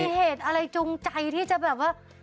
ไม่ได้ที่เหตุอะไรจูงใจที่จะแบบ